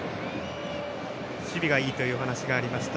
守備がいいというお話がありました。